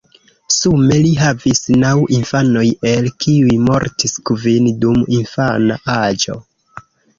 Sume li havis naŭ infanoj el kiuj mortis kvin dum infana aĝo.